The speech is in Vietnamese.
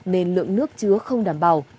nên lượng nước chứa không đảm bảo